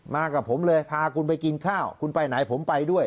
มากับผมเลยพาคุณไปกินข้าวคุณไปไหนผมไปด้วย